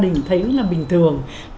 cho nên là thấy nó cứ bình thường